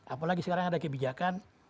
apalagi sekarang ada kebijakan